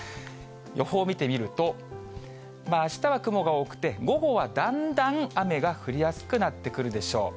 予報を見てみると、あしたは雲が多くて、午後はだんだん雨が降りやすくなってくるでしょう。